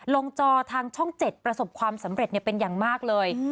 จอทางช่อง๗ประสบความสำเร็จเป็นอย่างมากเลย